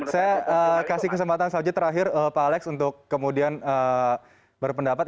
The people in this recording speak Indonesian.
saya kasih kesempatan saja terakhir pak alex untuk kemudian berpendapat